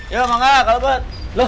ya emang gak kalau buat